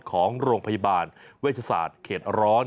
ของโรงพยาบาลเวชศาสตร์เขตร้อน